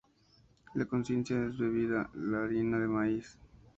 La consistencia es debida a la harina de maíz.